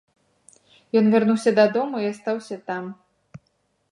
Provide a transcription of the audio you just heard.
Ён вярнуўся дадому і астаўся там.